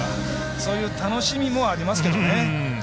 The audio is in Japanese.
そういう楽しみもありますけどね。